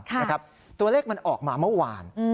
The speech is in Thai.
ตัวเลขมันออกมาเมื่อวาน